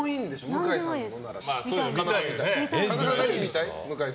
向井さんの。